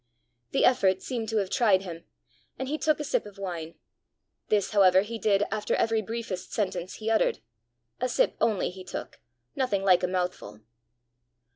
The effort seemed to have tried him, and he took a sip of wine. This, however, he did after every briefest sentence he uttered: a sip only he took, nothing like a mouthful.